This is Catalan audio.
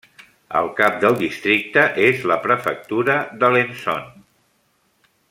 El cap del districte és la prefectura d'Alençon.